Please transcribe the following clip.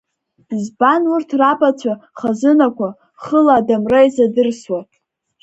Избан урҭ рабацәа хазынақәа хыла адамра изадырсуа!